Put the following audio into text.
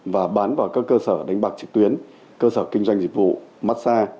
và bán vào các cơ sở đánh bạc trực tuyến cơ sở kinh doanh dịch vụ mát xa